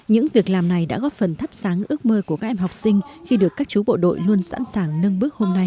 những việc làm này đã góp phần thắp sáng ước mơ của các em học sinh khi được các chú bộ đội luôn sẵn sàng nâng bước hôm nay